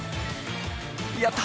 やった！